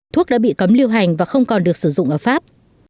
thuốc đã bị cấm lưu hành và không còn được sử dụng ở pháp